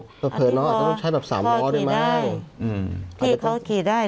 เผลอน้องอาจจะต้องใช้แบบสามล้อด้วยมั้งที่เขาขี่ได้